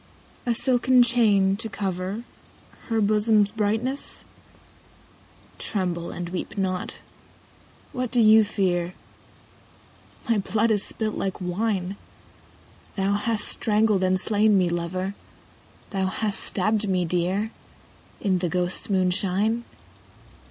A silken chain, to cover Her bosom's brightness ? (Tremble and weep not : what dost thou fear ?)— My blood is spUt like wine, Thou hast strangled and slain me, lover. Thou hast stabbed me dear. In the ghosts' moonshine.